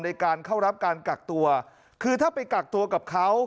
ในการเข้ารับการกักตัวคือถ้าไปกักตัวกับเขา